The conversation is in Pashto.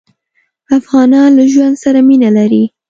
افغانان له ژوند سره مينه لري.